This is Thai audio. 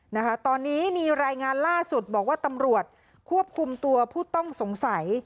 นะคะตอนนี้มีรายงานล่าสุดบอกว่าตำรวจควบคุมตัวผู้ต้องสงสัย